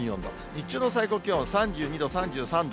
日中の最高気温、３２度、３３度。